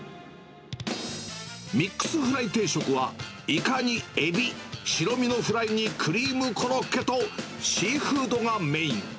ミックスフライ定食は、イカにエビ、白身のフライにクリームコロッケと、シーフードがメイン。